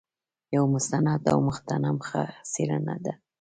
یو مستند او مغتنم څېړنه ده.